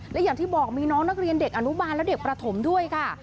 และอย่างที่บอกมีน้องนักเรียนเด็กอนุบาลและเด็กประถมด้วยค่ะ